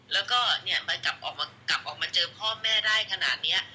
แล้วก็เนี่ยกลับมาเจอพ่อแม่ได้ขนาดนี้